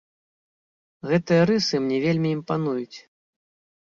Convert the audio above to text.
Гэтыя рысы мне вельмі імпануюць.